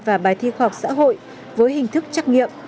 và bài thi khoa học xã hội với hình thức trắc nghiệm